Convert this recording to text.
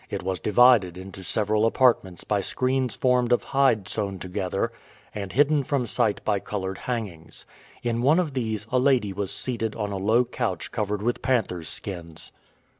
It was divided into several apartments by screens formed of hide sewn together and hidden from sight by colored hangings. In one of these a lady was seated on a low couch covered with panthers' skins.